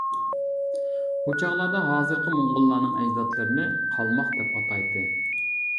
ئۇ چاغلاردا ھازىرقى موڭغۇللارنىڭ ئەجدادلىرىنى قالماق دەپ ئاتايتتى.